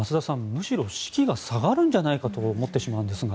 むしろ士気が下がるんじゃないかと思ってしまうんですが。